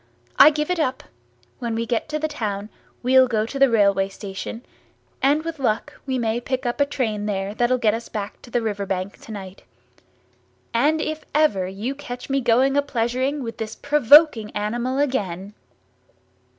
I give it up—when we get to the town we'll go to the railway station, and with luck we may pick up a train there that'll get us back to riverbank to night. And if ever you catch me going a pleasuring with this provoking animal again!"